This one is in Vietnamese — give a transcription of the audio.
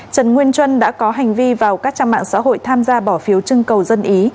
trần nguyên trân đã có hành vi vào các trang mạng xã hội tham gia bỏ phiếu trưng cầu dân ý